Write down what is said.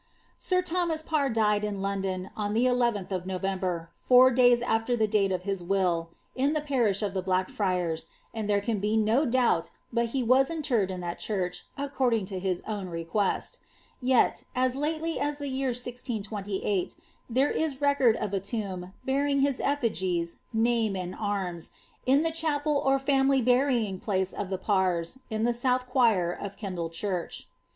Sir Thomas Parr died in London, on the llth of November, fon days after the date of his will, in the parish of the Blackfriars, and then can be no doubt but he was interred in that church, according to hii own request; yet, as lately as the year 1G28, there is record of a tonbi bearing his efTigies, name, and arms, in the chapel or family barying place of tlie Parrs,* in tlie soutli choir of Kendal church.